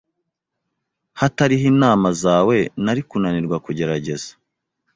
Hatariho inama zawe, nari kunanirwa kugerageza.